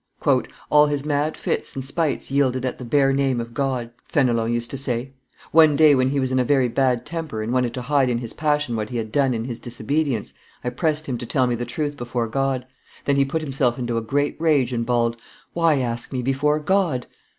"All his mad fits and spites yielded at the bare name of God," Fenelon used to say; "one day when he was in a very bad temper, and wanted to hide in his passion what he had done in his disobedience, I pressed him to tell me the truth before God; then he put himself into a great rage and bawled, 'Why ask me before God?